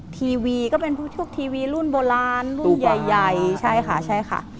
ทีวีก็เป็นชุดทีวีรุ่นโบราณรุ่นใหญ่ใช่ค่ะ